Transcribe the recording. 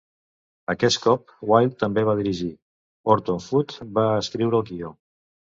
Aquest cop Wilde també va dirigir; Horton Foote va escriure el guió.